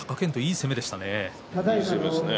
いい攻めですね。